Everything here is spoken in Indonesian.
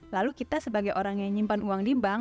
lalu kita sebagai orang yang nyimpan uang di bank